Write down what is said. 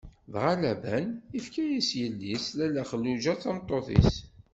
Dɣa Laban ifka-as yelli-s Lalla Xelluǧa d tameṭṭut-is.